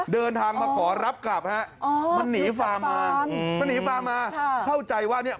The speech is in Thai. เดินทางมาขอรับกลับฮะมันหนีฟาร์มมาเข้าใจว่าเนี่ย